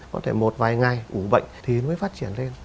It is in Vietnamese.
có thể một vài ngày ủ bệnh thì mới phát triển lên